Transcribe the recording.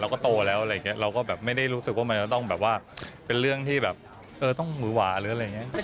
โตแล้วอะไรอย่างนี้เราก็แบบไม่ได้รู้สึกว่ามันจะต้องแบบว่าเป็นเรื่องที่แบบเออต้องหือหวาหรืออะไรอย่างนี้